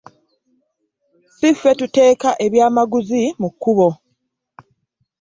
Si ffe tuteeka ebyamaguzi mu kkubo.